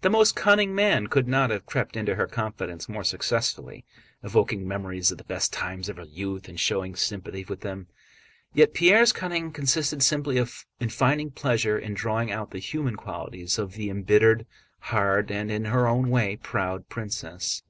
The most cunning man could not have crept into her confidence more successfully, evoking memories of the best times of her youth and showing sympathy with them. Yet Pierre's cunning consisted simply in finding pleasure in drawing out the human qualities of the embittered, hard, and (in her own way) proud princess.